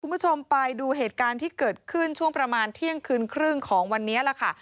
คุณผู้ชมไปดูเหตุการณ์ที่เกิดขึ้นช่วงประมาณเที่ยงคืนครึ่งของวันนี้ล่ะค่ะ